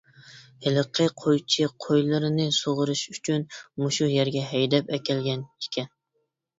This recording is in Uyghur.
ھېلىقى قويچى قويلىرىنى سۇغىرىش ئۈچۈن مۇشۇ يەرگە ھەيدەپ ئەكەلگەنىكەن.